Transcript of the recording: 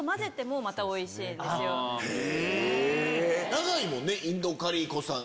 長いもんね印度カリー子さん